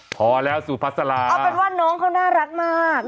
พอแล้วสุภาษาลาเอาเป็นว่าน้องเขาน่ารักมาก